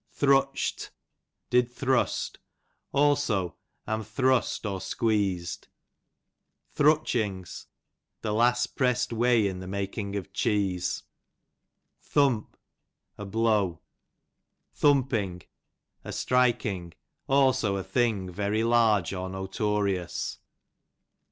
Thrutcht, did thrust; also am thrust, or squeez'd. Thrutchings, the last press'd whey in making of cheese. Thump, a blow. Thumping, a strikifig ; also a thing very large or notorious.